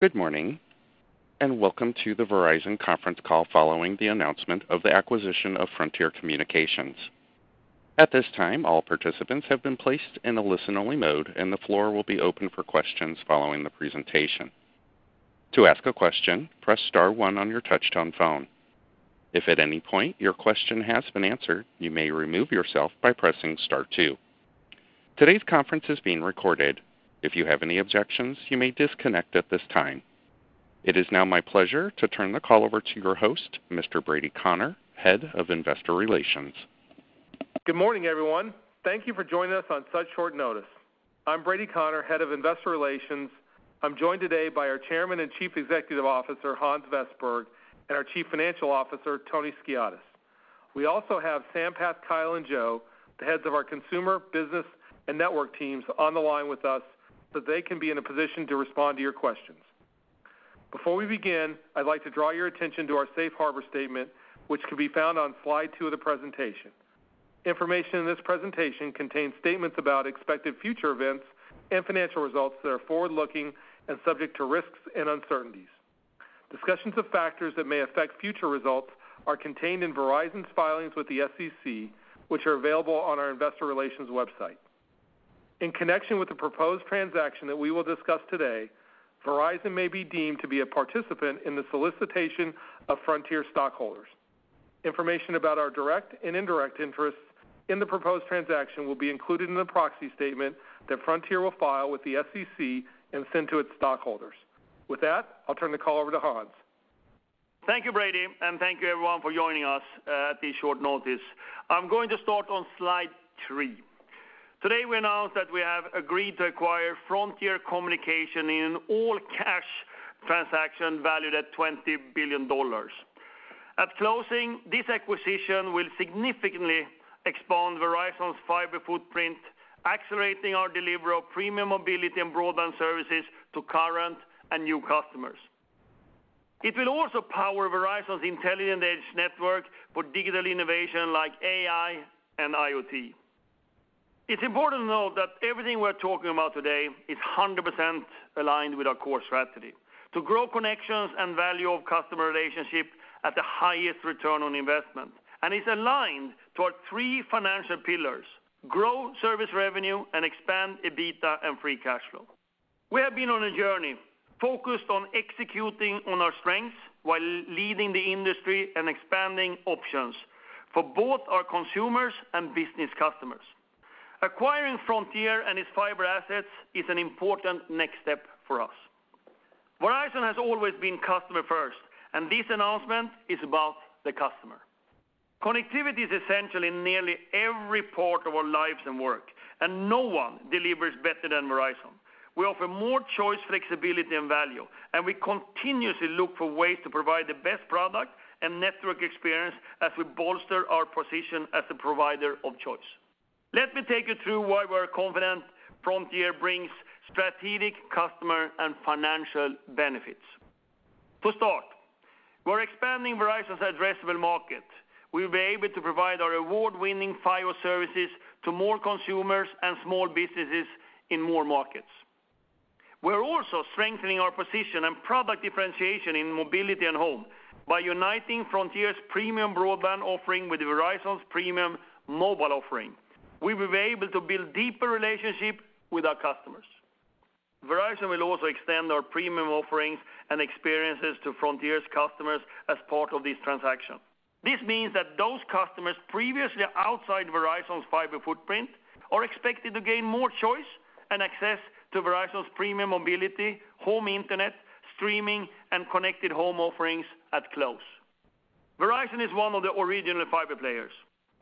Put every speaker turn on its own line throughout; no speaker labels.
Good morning,, and welcome to the Verizon conference call following the announcement of the acquisition of Frontier Communications. At this time, all participants have been placed in a listen-only mode, and the floor will be open for questions following the presentation. To ask a question, press star one on your touch-tone phone. If at any point your question has been answered, you may remove yourself by pressing star two. Today's conference is being recorded. If you have any objections, you may disconnect at this time. It is now my pleasure to turn the call over to your host, Mr. Brady Connor, Head of Investor Relations.
Good morning, everyone. Thank you for joining us on such short notice. I'm Brady Connor, Head of Investor Relations. I'm joined today by our Chairman and Chief Executive Officer, Hans Vestberg, and our Chief Financial Officer, Tony Skiadas. We also have Sampath, Kyle, and Joe, the heads of our consumer, business, and network teams on the line with us, so they can be in a position to respond to your questions. Before we begin, I'd like to draw your attention to our safe harbor statement, which can be found on slide two of the presentation. Information in this presentation contains statements about expected future events and financial results that are forward-looking and subject to risks and uncertainties. Discussions of factors that may affect future results are contained in Verizon's filings with the SEC, which are available on our investor relations website. In connection with the proposed transaction that we will discuss today, Verizon may be deemed to be a participant in the solicitation of Frontier stockholders. Information about our direct and indirect interests in the proposed transaction will be included in the proxy statement that Frontier will file with the SEC and send to its stockholders. With that, I'll turn the call over to Hans.
Thank you, Brady, and thank you everyone for joining us at this short notice. I'm going to start on slide three. Today, we announce that we have agreed to acquire Frontier Communications in an all-cash transaction valued at $20 billion. At closing, this acquisition will significantly expand Verizon's fiber footprint, accelerating our delivery of premium mobility and broadband services to current and new customers. It will also power Verizon's Intelligent Edge Network for digital innovation like AI and IoT. It's important to note that everything we're talking about today is 100% aligned with our core strategy, to grow connections and value of customer relationships at the highest return on investment, and it's aligned to our three financial pillars: grow service revenue and expand EBITDA and free cash flow. We have been on a journey focused on executing on our strengths while leading the industry and expanding options for both our consumers and business customers. Acquiring Frontier and its fiber assets is an important next step for us. Verizon has always been customer first, and this announcement is about the customer. Connectivity is essential in nearly every part of our lives and work, and no one delivers better than Verizon. We offer more choice, flexibility, and value, and we continuously look for ways to provide the best product and network experience as we bolster our position as a provider of choice. Let me take you through why we're confident Frontier brings strategic, customer, and financial benefits. To start, we're expanding Verizon's addressable market. We'll be able to provide our award-winning fiber services to more consumers and small businesses in more markets. We're also strengthening our position and product differentiation in mobility and home by uniting Frontier's premium broadband offering with Verizon's premium mobile offering. We will be able to build deeper relationships with our customers. Verizon will also extend our premium offerings and experiences to Frontier's customers as part of this transaction. This means that those customers previously outside Verizon's fiber footprint are expected to gain more choice and access to Verizon's premium mobility, home internet, streaming, and connected home offerings at close. Verizon is one of the original fiber players.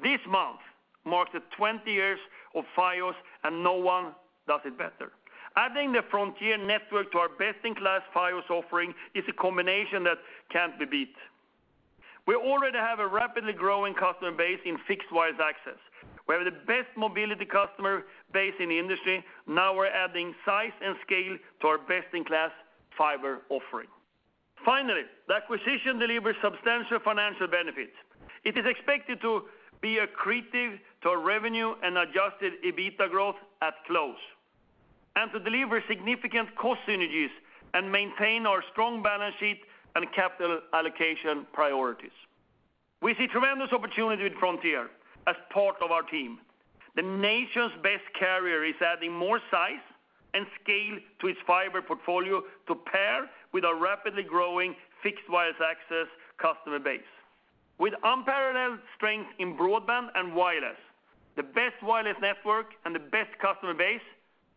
This month marks the twenty years of Fios, and no one does it better. Adding the Frontier network to our best-in-class Fios offering is a combination that can't be beat. We already have a rapidly growing customer base in fixed-wireless access. We have the best mobility customer base in the industry. Now we're adding size and scale to our best-in-class fiber offering. Finally, the acquisition delivers substantial financial benefits. It is expected to be accretive to our revenue and Adjusted EBITDA growth at close, and to deliver significant cost synergies and maintain our strong balance sheet and capital allocation priorities. We see tremendous opportunity with Frontier as part of our team. The nation's best carrier is adding more size and scale to its fiber portfolio to pair with a rapidly growing fixed wireless access customer base. With unparalleled strength in broadband and wireless, the best wireless network and the best customer base,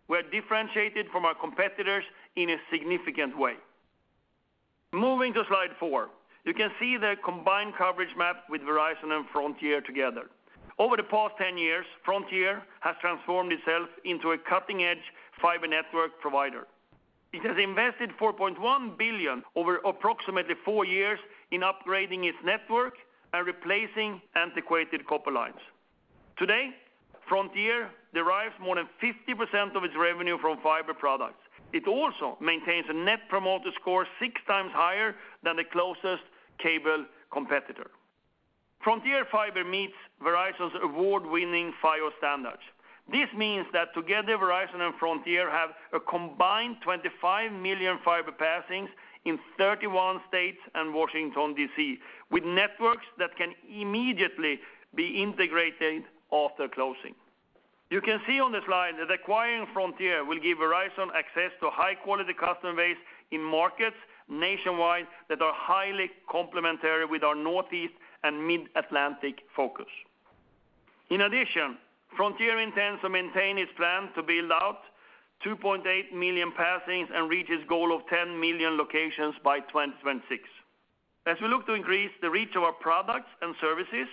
we're differentiated from our competitors in a significant way. Moving to slide four, you can see the combined coverage map with Verizon and Frontier together. Over the past 10 years, Frontier has transformed itself into a cutting-edge fiber network provider. It has invested $4.1 billion over approximately four years in upgrading its network and replacing antiquated copper lines. Today, Frontier derives more than 50% of its revenue from fiber products. It also maintains a Net Promoter Score six times higher than the closest cable competitor. Frontier Fiber meets Verizon's award-winning fiber standards. This means that together, Verizon and Frontier have a combined 25 million fiber passings in 31 states and Washington, D.C., with networks that can immediately be integrated after closing. You can see on the slide that acquiring Frontier will give Verizon access to high-quality customer base in markets nationwide that are highly complementary with our Northeast and Mid-Atlantic focus. In addition, Frontier intends to maintain its plan to build out 2.8 million passings and reach its goal of 10 million locations by 2026. As we look to increase the reach of our products and services,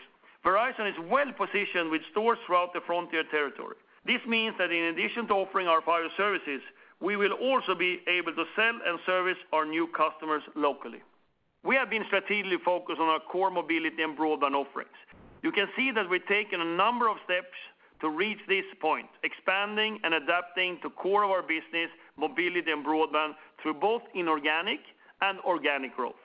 Verizon is well-positioned with stores throughout the Frontier territory. This means that in addition to offering our fiber services, we will also be able to sell and service our new customers locally. We have been strategically focused on our core mobility and broadband offerings. You can see that we've taken a number of steps to reach this point, expanding and adapting to core of our business, mobility and broadband, through both inorganic and organic growth.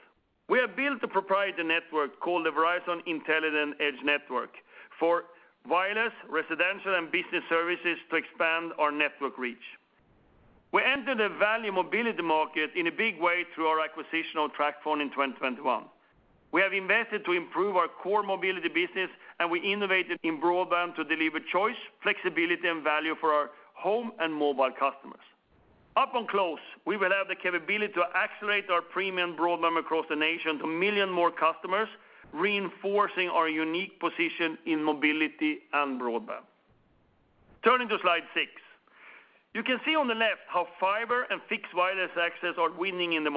We have built a proprietary network called the Verizon Intelligent Edge Network for wireless, residential, and business services to expand our network reach. We entered the value mobility market in a big way through our acquisition of TracFone in 2021. We have invested to improve our core mobility business, and we innovated in broadband to deliver choice, flexibility, and value for our home and mobile customers. Upon close, we will have the capability to accelerate our premium broadband across the nation to a million more customers, reinforcing our unique position in mobility and broadband. Turning to slide six. You can see on the left how fiber and fixed wireless access are winning in the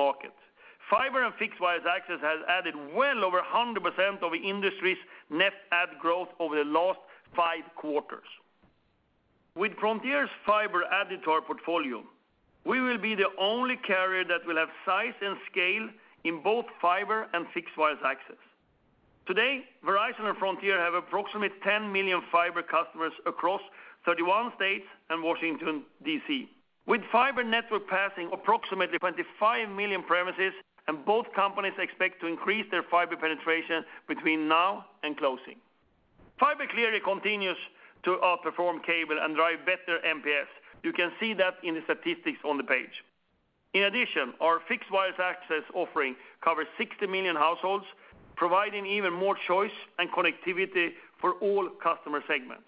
market. Fiber and fixed wireless access has added well over 100% of the industry's net add growth over the last five quarters. With Frontier's fiber added to our portfolio, we will be the only carrier that will have size and scale in both fiber and fixed wireless access. Today, Verizon and Frontier have approximately 10 million fiber customers across 31 states and Washington, D.C., with fiber network passing approximately 25 million premises, and both companies expect to increase their fiber penetration between now and closing. Fiber clearly continues to outperform cable and drive better NPS. You can see that in the statistics on the page. In addition, our fixed-wireless access offering covers 60 million households, providing even more choice and connectivity for all customer segments.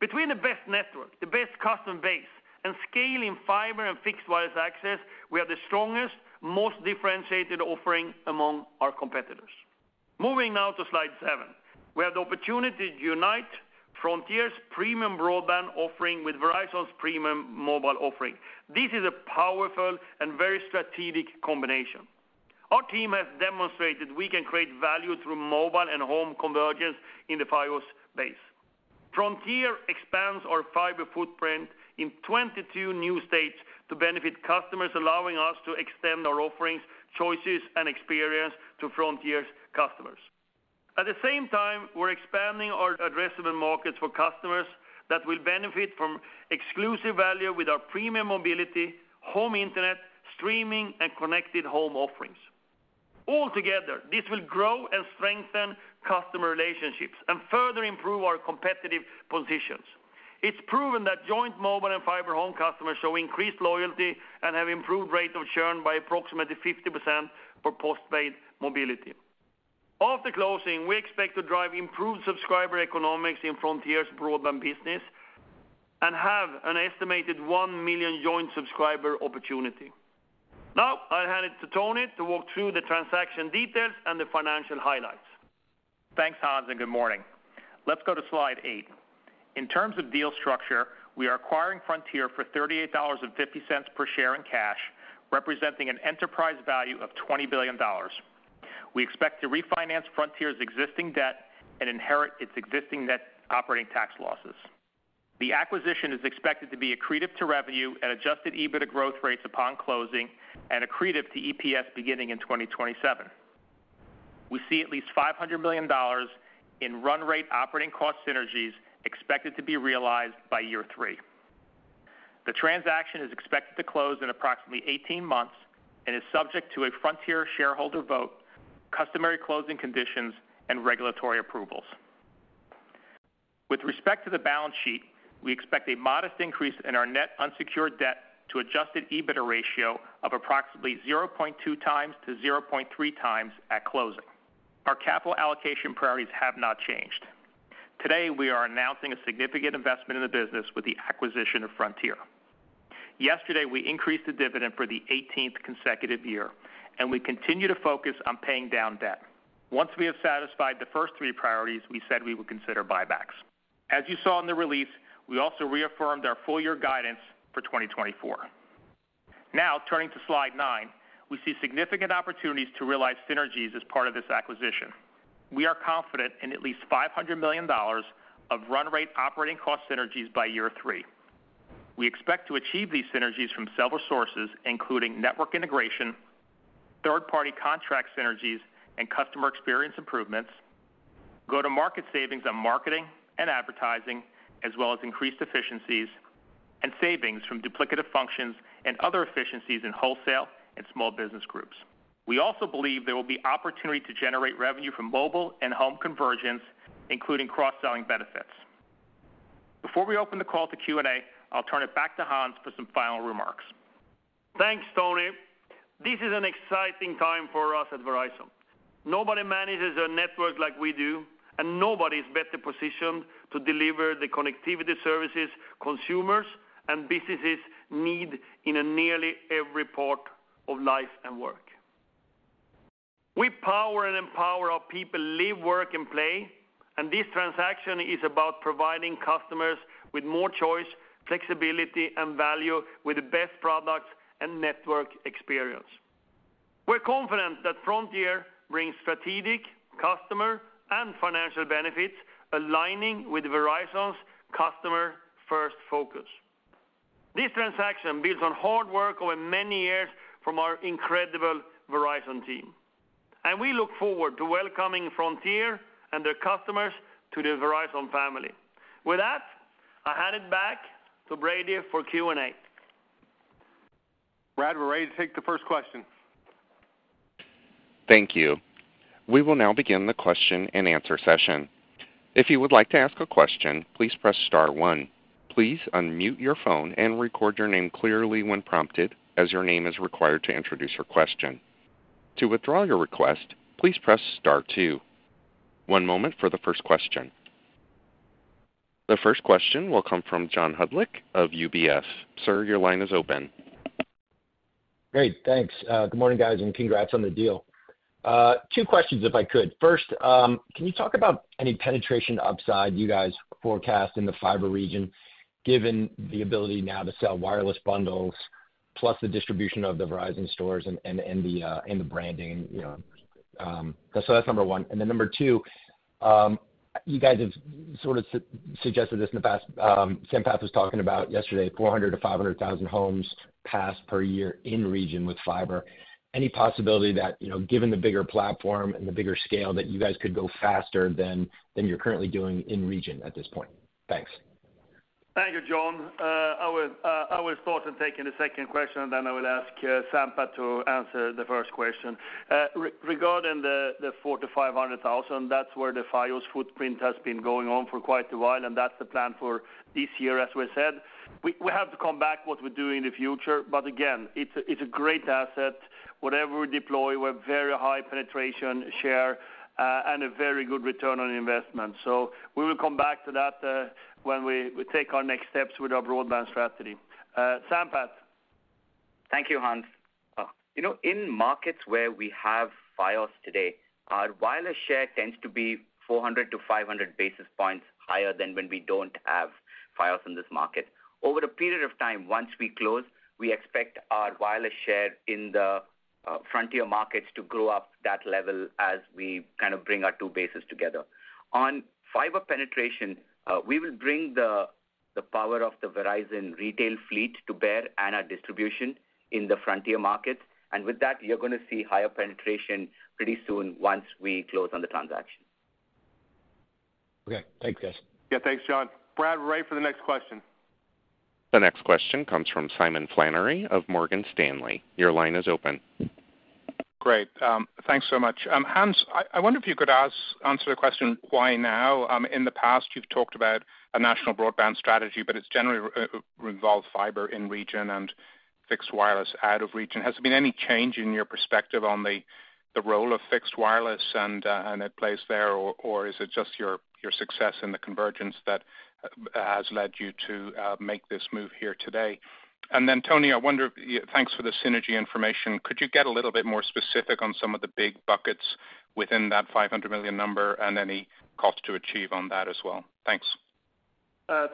Between the best network, the best customer base, and scaling fiber and fixed-wireless access, we are the strongest, most differentiated offering among our competitors. Moving now to slide seven. We have the opportunity to unite Frontier's premium broadband offering with Verizon's premium mobile offering. This is a powerful and very strategic combination. Our team has demonstrated we can create value through mobile and home convergence in the fiber base. Frontier expands our fiber footprint in 22 new states to benefit customers, allowing us to extend our offerings, choices, and experience to Frontier's customers. At the same time, we're expanding our addressable markets for customers that will benefit from exclusive value with our premium mobility, home internet, streaming, and connected home offerings. Altogether, this will grow and strengthen customer relationships and further improve our competitive positions. It's proven that joint mobile and fiber home customers show increased loyalty and have improved rate of churn by approximately 50% for postpaid mobility. After closing, we expect to drive improved subscriber economics in Frontier's broadband business and have an estimated a million joint subscriber opportunity. Now, I'll hand it to Tony to walk through the transaction details and the financial highlights.
Thanks, Hans, and good morning. Let's go to slide eight. In terms of deal structure, we are acquiring Frontier for $38.50 per share in cash, representing an enterprise value of $20 billion. We expect to refinance Frontier's existing debt and inherit its existing net operating tax losses. The acquisition is expected to be accretive to revenue at adjusted EBITDA growth rates upon closing and accretive to EPS beginning in 2027. We see at least $500 million in run rate operating cost synergies expected to be realized by year three. The transaction is expected to close in approximately 18 months and is subject to a Frontier shareholder vote, customary closing conditions, and regulatory approvals. With respect to the balance sheet, we expect a modest increase in our net unsecured debt to adjusted EBITDA ratio of approximately 0.2x-0.3x at closing. Our capital allocation priorities have not changed. Today, we are announcing a significant investment in the business with the acquisition of Frontier. Yesterday, we increased the dividend for the 18th consecutive year, and we continue to focus on paying down debt. Once we have satisfied the first three priorities, we said we would consider buybacks. As you saw in the release, we also reaffirmed our full-year guidance for 2024. Now, turning to slide nine, we see significant opportunities to realize synergies as part of this acquisition. We are confident in at least $500 million of run rate operating cost synergies by year three. We expect to achieve these synergies from several sources, including network integration, third-party contract synergies, and customer experience improvements, go-to-market savings on marketing and advertising, as well as increased efficiencies... and savings from duplicative functions and other efficiencies in wholesale and small business groups. We also believe there will be opportunity to generate revenue from mobile and home convergence, including cross-selling benefits. Before we open the call to Q&A, I'll turn it back to Hans for some final remarks.
Thanks, Tony. This is an exciting time for us at Verizon. Nobody manages a network like we do, and nobody is better positioned to deliver the connectivity services consumers and businesses need in nearly every part of life and work. We power and empower our people live, work, and play, and this transaction is about providing customers with more choice, flexibility, and value, with the best products and network experience. We're confident that Frontier brings strategic, customer, and financial benefits, aligning with Verizon's customer-first focus. This transaction builds on hard work over many years from our incredible Verizon team, and we look forward to welcoming Frontier and their customers to the Verizon family. With that, I hand it back to Brady for Q&A.
Brad, we're ready to take the first question.
Thank you. We will now begin the question-and-answer session. If you would like to ask a question, please press star one. Please unmute your phone and record your name clearly when prompted, as your name is required to introduce your question. To withdraw your request, please press star two. One moment for the first question. The first question will come from John Hodulik of UBS. Sir, your line is open.
Great, thanks. Good morning, guys, and congrats on the deal. Two questions, if I could. First, can you talk about any penetration upside you guys forecast in the fiber region, given the ability now to sell wireless bundles, plus the distribution of the Verizon stores and the branding, you know? So that's number one. And then number two, you guys have sort of suggested this in the past. Sampath was talking about yesterday, 400,000-500,000 homes passed per year in region with fiber. Any possibility that, you know, given the bigger platform and the bigger scale, that you guys could go faster than you're currently doing in region at this point? Thanks.
Thank you, John. I will, I will start in taking the second question, and then I will ask, Sampath to answer the first question. Regarding the 400,000-500,000, that's where the Fios footprint has been going on for quite a while, and that's the plan for this year, as we said. We have to come back what we do in the future, but again, it's a great asset. Wherever we deploy, we're very high penetration share, and a very good return on investment. So we will come back to that, when we take our next steps with our broadband strategy. Sampath?
Thank you, Hans. You know, in markets where we have Fios today, our wireless share tends to be 400-500 basis points higher than when we don't have Fios in this market. Over a period of time, once we close, we expect our wireless share in the Frontier markets to go up that level as we kind of bring our two bases together. On fiber penetration, we will bring the power of the Verizon retail fleet to bear and our distribution in the Frontier markets. And with that, you're gonna see higher penetration pretty soon once we close on the transaction.
Okay. Thanks, guys.
Yeah, thanks, John. Brad, we're ready for the next question.
The next question comes from Simon Flannery of Morgan Stanley. Your line is open.
Great. Thanks so much. Hans, I wonder if you could answer the question, why now? In the past, you've talked about a national broadband strategy, but it's generally revolved around fiber in region and fixed wireless out of region. Has there been any change in your perspective on the role of fixed wireless and the role it plays there, or is it just your success in the convergence that has led you to make this move here today? And then, Tony, I wonder, thanks for the synergy information. Could you get a little bit more specific on some of the big buckets within that $500 million number and any cost to achieve on that as well? Thanks.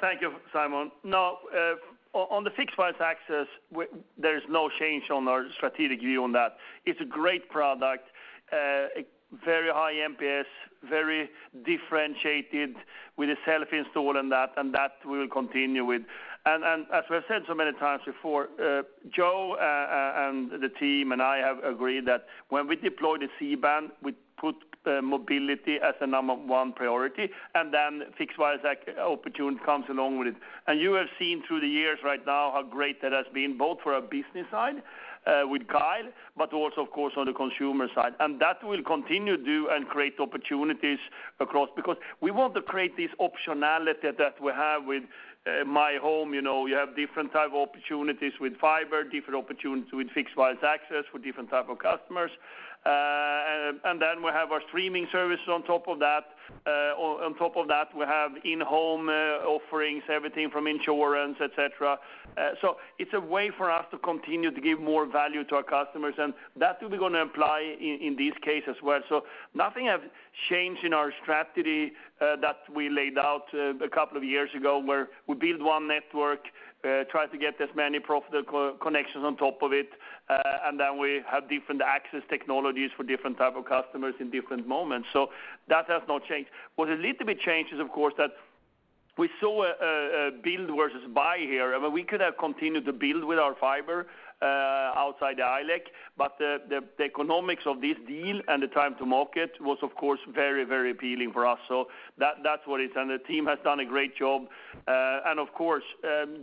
Thank you, Simon. Now, on the fixed wireless access, we, there is no change on our strategic view on that. It's a great product, very high NPS, very differentiated with a self-install and that, and that we will continue with. And as we've said so many times before, Joe and the team and I have agreed that when we deploy the C-band, we put mobility as the number one priority, and then fixed wireless access opportunely comes along with it. And you have seen through the years right now, how great that has been, both for our business side, with Kyle, but also, of course, on the consumer side. And that will continue to create opportunities across, because we want to create this optionality that we have with myHome. You know, you have different type of opportunities with fiber, different opportunities with fixed wireless access for different type of customers. And then we have our streaming service on top of that. On top of that, we have in-home offerings, everything from insurance, et cetera. So it's a way for us to continue to give more value to our customers, and that will be gonna apply in this case as well. So nothing has changed in our strategy that we laid out a couple of years ago, where we build one network, try to get as many profitable connections on top of it, and then we have different access technologies for different type of customers in different moments. So that has not changed. What a little bit changed is, of course, that we saw a build versus buy here. I mean, we could have continued to build with our fiber outside the ILEC, but the economics of this deal and the time to market was, of course, very, very appealing for us. So that, that's what it is, and the team has done a great job. And of course,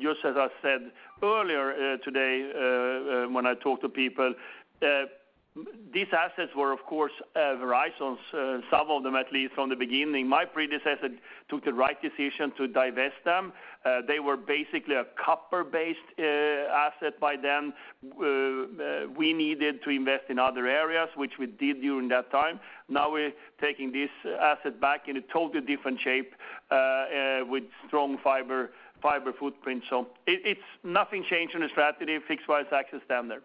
just as I said earlier, today, when I talked to people, these assets were, of course, Verizon's, some of them, at least from the beginning. My predecessor took the right decision to divest them. They were basically a copper-based asset by then. We needed to invest in other areas, which we did during that time. Now, we're taking this asset back in a totally different shape, with strong fiber footprint. So it's nothing changed in the strategy, fixed wireless access down there.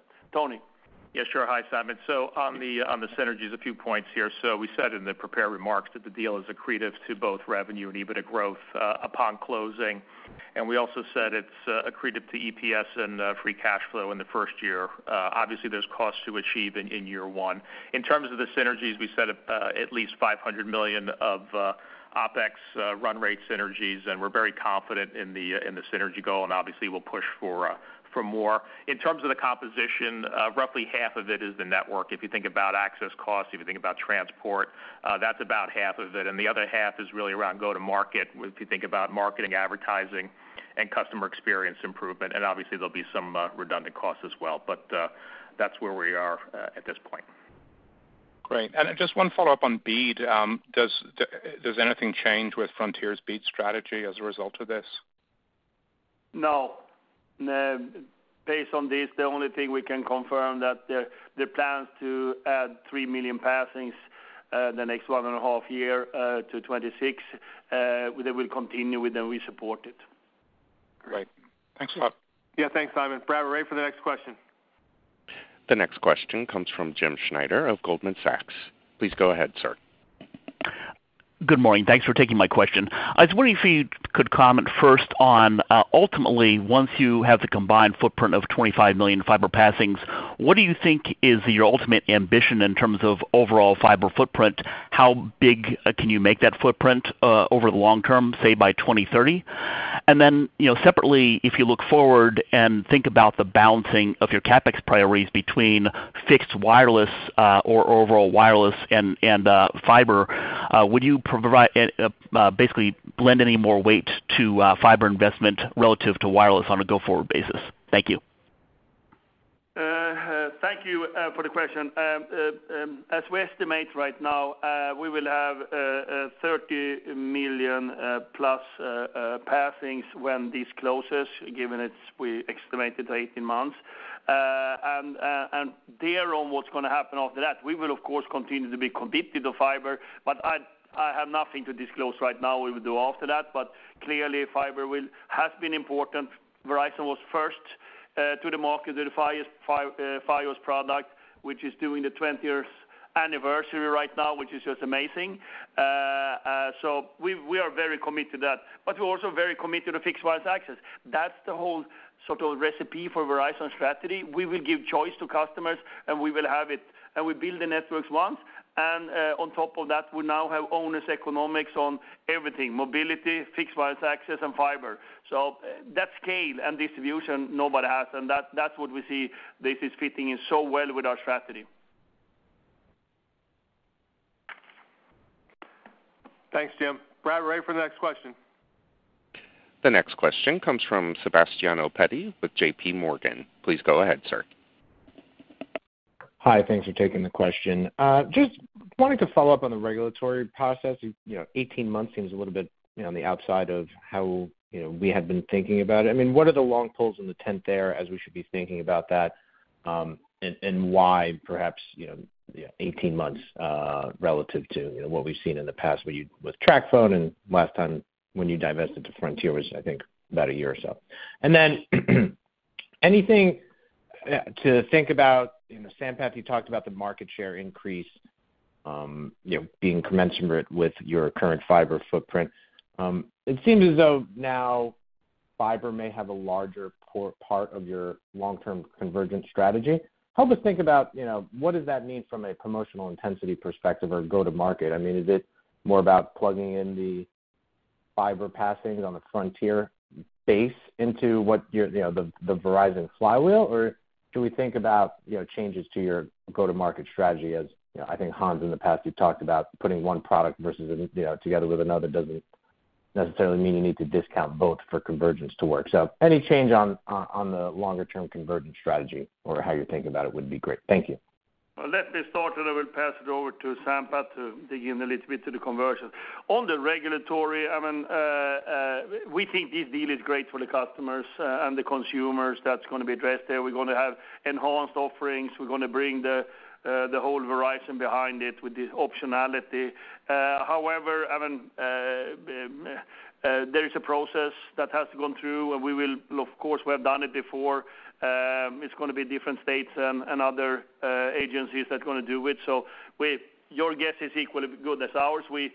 Tony? Yeah, sure. Hi, Simon. So on the synergies, a few points here. So we said in the prepared remarks that the deal is accretive to both revenue and EBITDA growth upon closing. And we also said it's accretive to EPS and free cash flow in the first year. Obviously, there's costs to achieve in year one. In terms of the synergies, we said at least $500 million of OpEx run rate synergies, and we're very confident in the synergy goal, and obviously, we'll push for more. In terms of the composition, roughly half of it is the network. If you think about access costs, if you think about transport, that's about half of it, and the other half is really around go-to-market. If you think about marketing, advertising, and customer experience improvement, and obviously, there'll be some redundant costs as well, but that's where we are at this point.
Great. And just one follow-up on BEAD. Does anything change with Frontier's BEAD strategy as a result of this?
No. Based on this, the only thing we can confirm that the plans to add three million passings the next one and a half year to 2026 they will continue with, and we support it.
Great. Thanks a lot.
Yeah, thanks, Simon. Brad, we're ready for the next question.
The next question comes from Jim Schneider of Goldman Sachs. Please go ahead, sir.
Good morning. Thanks for taking my question. I was wondering if you could comment first on ultimately, once you have the combined footprint of 25 million fiber passings, what do you think is your ultimate ambition in terms of overall fiber footprint? How big can you make that footprint over the long term, say, by 2030? And then, you know, separately, if you look forward and think about the balancing of your CapEx priorities between fixed wireless or overall wireless and fiber, would you provide basically lend any more weight to fiber investment relative to wireless on a go-forward basis? Thank you.
Thank you for the question. As we estimate right now, we will have 30 million+ passings when this closes, given that we estimated 18 months. And then on what's gonna happen after that, we will, of course, continue to be competitive to fiber, but I have nothing to disclose right now we will do after that. But clearly, fiber has been important. Verizon was first to the market with the Fios product, which is doing the 20th anniversary right now, which is just amazing. So we are very committed to that, but we're also very committed to fixed wireless access. That's the whole sort of recipe for Verizon's strategy. We will give choice to customers, and we will have it, and we build the networks once. And, on top of that, we now have owners' economics on everything, mobility, fixed wireless access, and fiber. So that scale and distribution, nobody has, and that, that's what we see. This is fitting in so well with our strategy.
Thanks, Jim. Brady, we're ready for the next question.
The next question comes from Sebastiano Petti with JPMorgan. Please go ahead, sir.
Hi, thanks for taking the question. Just wanted to follow up on the regulatory process. You know, 18 months seems a little bit, you know, on the outside of how, you know, we had been thinking about it. I mean, what are the long poles in the tent there, as we should be thinking about that? And why perhaps, you know, yeah, 18 months, relative to, you know, what we've seen in the past with you, with TracFone and last time when you divested to Frontier, was, I think, about a year or so. And then, anything to think about, you know, Sampath, you talked about the market share increase, you know, being commensurate with your current fiber footprint. It seems as though now fiber may have a larger part of your long-term convergence strategy. Help us think about, you know, what does that mean from a promotional intensity perspective or go-to-market? I mean, is it more about plugging in the fiber passings on the Frontier base into what your, you know, the Verizon flywheel, or do we think about, you know, changes to your go-to-market strategy? As, you know, I think, Hans, in the past, you've talked about putting one product versus, you know, together with another doesn't necessarily mean you need to discount both for convergence to work. So any change on the longer-term convergence strategy or how you're thinking about it would be great. Thank you.
Let me start, and I will pass it over to Sampath to dig in a little bit to the conversion. On the regulatory, I mean, we think this deal is great for the customers and the consumers. That's gonna be addressed there. We're gonna have enhanced offerings. We're gonna bring the whole Verizon behind it with the optionality. However, I mean, there is a process that has to go through, and we will, of course, we have done it before. It's gonna be different states and other agencies that are gonna do it. Your guess is equally good as ours. We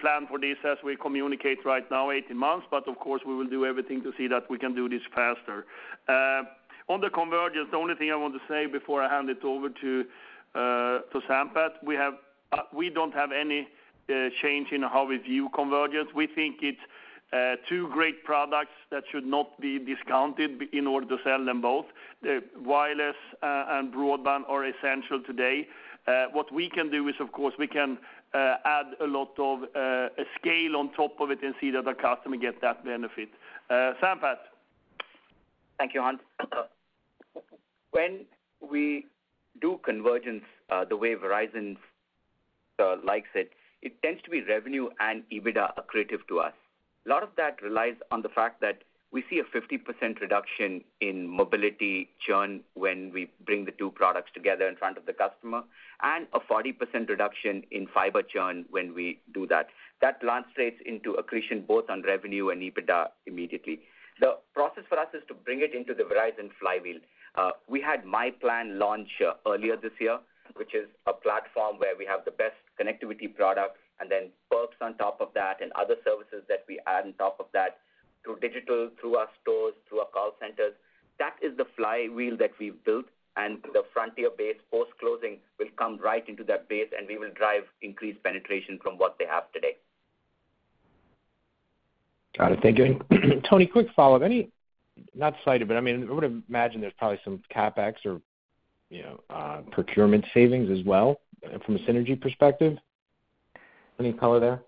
plan for this as we communicate right now, 18 months, but of course, we will do everything to see that we can do this faster. On the convergence, the only thing I want to say before I hand it over to Sampath, we don't have any change in how we view convergence. We think it's two great products that should not be discounted in order to sell them both. The wireless and broadband are essential today. What we can do is, of course, we can add a lot of scale on top of it and see that the customer gets that benefit. Sampath?
Thank you, Hans. When we do convergence, the way Verizon likes it, it tends to be revenue and EBITDA accretive to us. A lot of that relies on the fact that we see a 50% reduction in mobility churn when we bring the two products together in front of the customer, and a 40% reduction in fiber churn when we do that. That translates into accretion, both on revenue and EBITDA, immediately. The process for us is to bring it into the Verizon flywheel. We had myPlan launch earlier this year, which is a platform where we have the best connectivity products, and then perks on top of that and other services that we add on top of that, through digital, through our stores, through our call centers. That is the flywheel that we've built, and the Frontier base, post-closing, will come right into that base, and we will drive increased penetration from what they have today.
Got it. Thank you. Tony, quick follow-up. Any, not cited, but, I mean, I would imagine there's probably some CapEx or, you know, procurement savings as well from a synergy perspective. Any color there?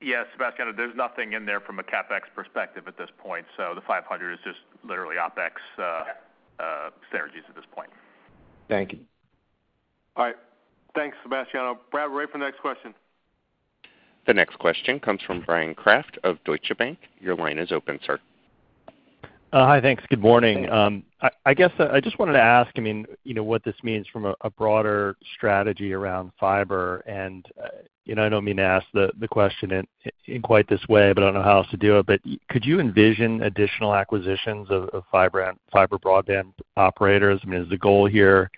Yes, Sebastiano, there's nothing in there from a CapEx perspective at this point, so the 500 is just literally OpEx synergies at this point.
Thank you.
All right. Thanks, Sebastiano. Brad, we're ready for the next question.
The next question comes from Bryan Kraft of Deutsche Bank. Your line is open, sir.
Hi. Thanks. Good morning. I guess I just wanted to ask, I mean, you know, what this means from a broader strategy around fiber. And you know, I don't mean to ask the question in quite this way, but I don't know how else to do it. But could you envision additional acquisitions of fiber and fiber broadband operators? I mean, is the goal here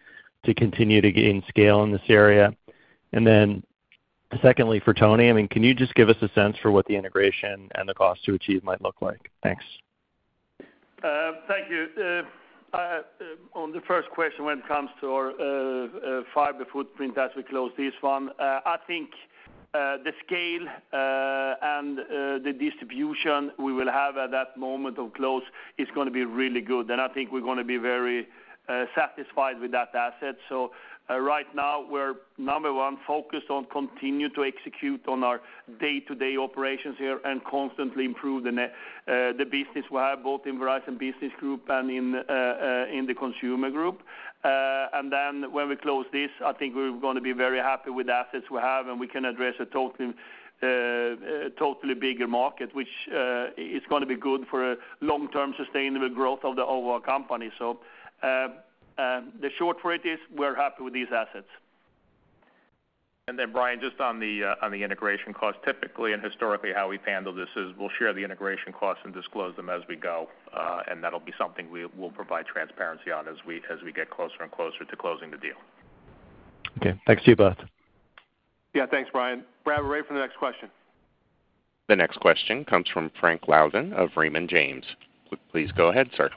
to continue to gain scale in this area? And then, secondly, for Tony, I mean, can you just give us a sense for what the integration and the cost to achieve might look like? Thanks.
Thank you. On the first question, when it comes to our fiber footprint as we close this one, I think the scale and the distribution we will have at that moment of close is gonna be really good, and I think we're gonna be very satisfied with that asset, so right now, we're number one, focused on continue to execute on our day-to-day operations here and constantly improve the business we have, both in Verizon Business Group and in the Consumer Group, and then, when we close this, I think we're gonna be very happy with the assets we have, and we can address a totally totally bigger market, which is gonna be good for a long-term sustainable growth of the overall company. The short of it is, we're happy with these assets.
Bryan, just on the integration cost, typically and historically, how we've handled this is we'll share the integration costs and disclose them as we go, and that'll be something we'll provide transparency on as we get closer and closer to closing the deal.
Okay. Thanks to you both.
Yeah, thanks, Bryan. Brady, we're ready for the next question.
The next question comes from Frank Louthan of Raymond James. Please go ahead, sir.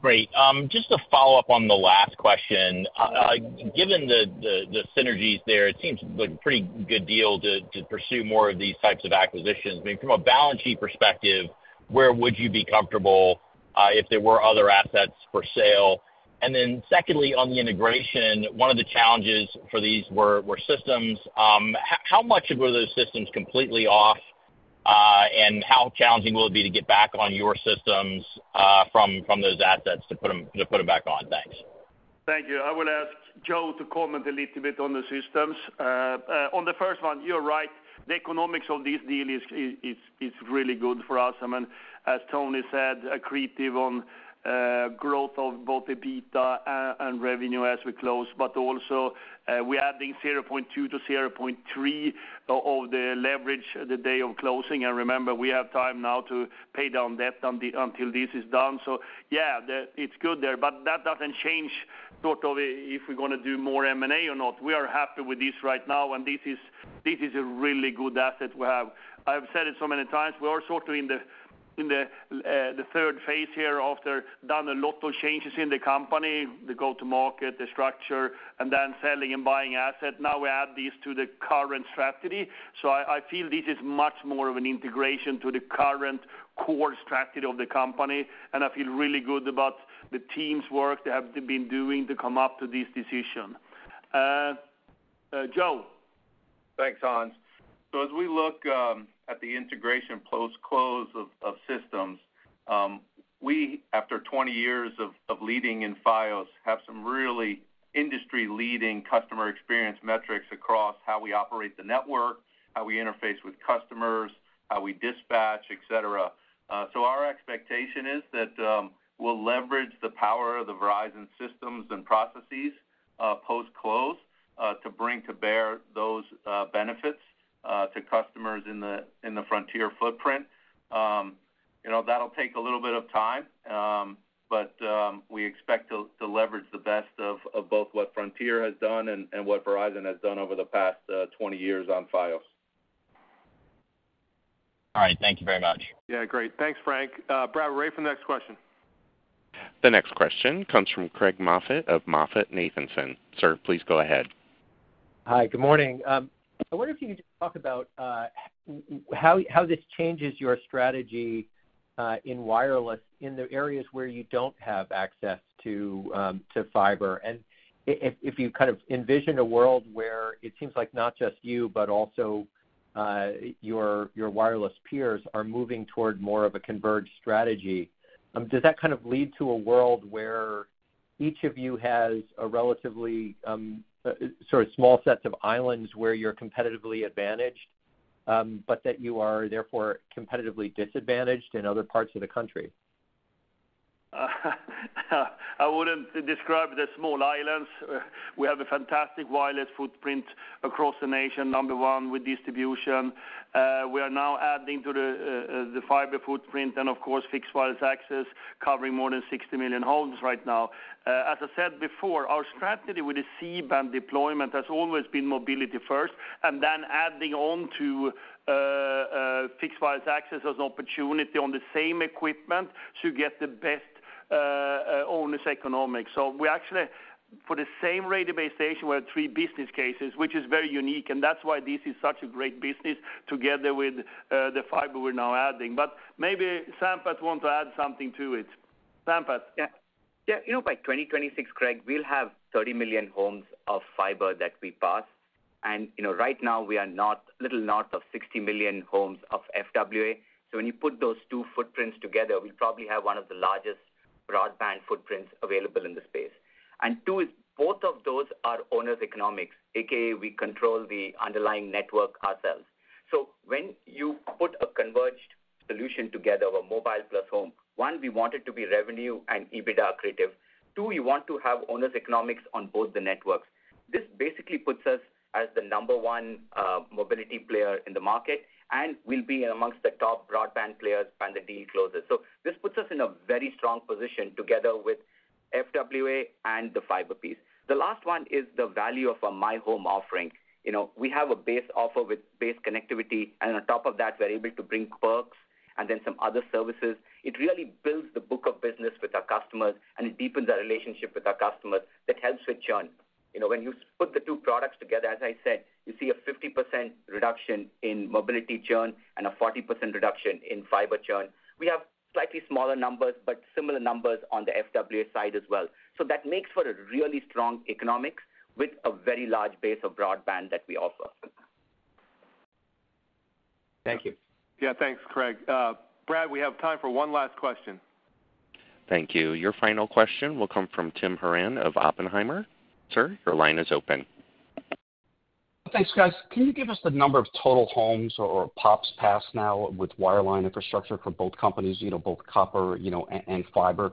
Great. Just to follow up on the last question, given the synergies there, it seems like a pretty good deal to pursue more of these types of acquisitions. I mean, from a balance sheet perspective, where would you be comfortable if there were other assets for sale? And then secondly, on the integration, one of the challenges for these were systems. How much were those systems completely off? And how challenging will it be to get back on your systems from those assets to put them back on? Thanks.
Thank you. I will ask Joe to comment a little bit on the systems. On the first one, you're right. The economics of this deal is really good for us. I mean, as Tony said, accretive on growth of both EBITDA and revenue as we close, but also, we're adding 0.2-0.3 of the leverage the day of closing. And remember, we have time now to pay down debt until this is done. So yeah, it's good there, but that doesn't change totally if we're gonna do more M&A or not. We are happy with this right now, and this is a really good asset we have. I've said it so many times, we are sort of in the third phase here after done a lot of changes in the company, the go-to-market, the structure, and then selling and buying asset. Now we add these to the current strategy. So I feel this is much more of an integration to the current core strategy of the company, and I feel really good about the team's work they have been doing to come up to this decision. Joe?
Thanks, Hans. So as we look at the integration post-close of systems, after 20 years of leading in Fios, we have some really industry-leading customer experience metrics across how we operate the network, how we interface with customers, how we dispatch, et cetera. So our expectation is that we'll leverage the power of the Verizon systems and processes post-close to bring to bear those benefits to customers in the Frontier footprint. You know, that'll take a little bit of time, but we expect to leverage the best of both what Frontier has done and what Verizon has done over the past 20 years on Fios.
All right, thank you very much.
Yeah, great. Thanks, Frank. Brad, we're ready for the next question.
The next question comes from Craig Moffett of MoffettNathanson. Sir, please go ahead.
Hi, good morning. I wonder if you could talk about how this changes your strategy in wireless, in the areas where you don't have access to fiber, and if you kind of envision a world where it seems like not just you, but also your wireless peers are moving toward more of a converged strategy, does that kind of lead to a world where each of you has a relatively sort of small sets of islands where you're competitively advantaged, but that you are therefore competitively disadvantaged in other parts of the country?
I wouldn't describe the small islands. We have a fantastic wireless footprint across the nation, number one, with distribution. We are now adding to the fiber footprint and, of course, fixed wireless access, covering more than 60 million homes right now. As I said before, our strategy with the C-band deployment has always been mobility first, and then adding on to fixed wireless access as an opportunity on the same equipment to get the best owner's economics. So we actually, for the same radio base station, we have three business cases, which is very unique, and that's why this is such a great business together with the fiber we're now adding. But maybe Sampath wants to add something to it. Sampath?
Yeah. Yeah, you know, by 2026, Craig, we'll have 30 million homes of fiber that we pass. And, you know, right now, we are a little north of 60 million homes of FWA. So when you put those two footprints together, we probably have one of the largest broadband footprints available in the space. And two is, both of those are owner economics, AKA, we control the underlying network ourselves. So when you put a converged solution together of a mobile plus home, one, we want it to be revenue and EBITDA accretive. Two, we want to have owner economics on both the networks. This basically puts us as the number one mobility player in the market, and we'll be among the top broadband players when the deal closes. So this puts us in a very strong position together with FWA and the fiber piece. The last one is the value of a myHome offering. You know, we have a base offer with base connectivity, and on top of that, we're able to bring perks and then some other services. It really builds the book of business with our customers, and it deepens our relationship with our customers. That helps with churn. You know, when you put the two products together, as I said, you see a 50% reduction in mobility churn and a 40% reduction in fiber churn. We have slightly smaller numbers, but similar numbers on the FWA side as well. So that makes for a really strong economics with a very large base of broadband that we offer.
Thank you.
Yeah, thanks, Craig. Brad, we have time for one last question.
Thank you. Your final question will come from Tim Horan of Oppenheimer. Sir, your line is open.
Thanks, guys. Can you give us the number of total homes or pops passed now with wireline infrastructure for both companies, you know, both copper, you know, and fiber?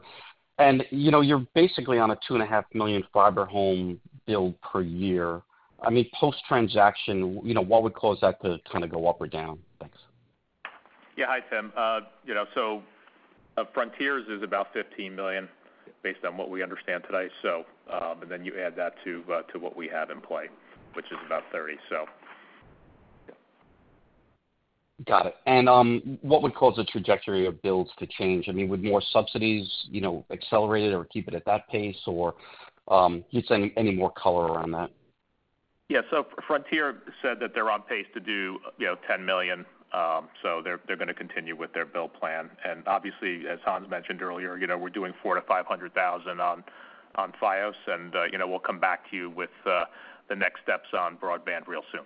And, you know, you're basically on a 2.5 million fiber home build per year. I mean, post-transaction, you know, what would cause that to kind of go up or down? Thanks.
Yeah. Hi, Tim. You know, so, Frontier's is about 15 million, based on what we understand today, so, and then you add that to, to what we have in play, which is about 30, so.
Got it. And, what would cause the trajectory of builds to change? I mean, would more subsidies, you know, accelerate it or keep it at that pace, or, just any more color around that?
Yeah, so Frontier said that they're on pace to do, you know, 10 million, so they're going to continue with their build plan. Obviously, as Hans mentioned earlier, you know, we're doing 400,000-500,000 on Fios, and, you know, we'll come back to you with the next steps on broadband real soon.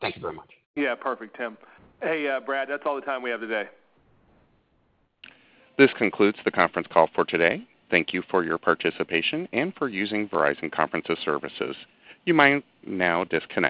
Thank you very much.
Yeah. Perfect, Tim. Hey, Brad, that's all the time we have today.
This concludes the conference call for today. Thank you for your participation and for using Verizon Conference's services. You might now disconnect.